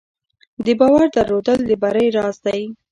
د باور درلودل د بری راز دی.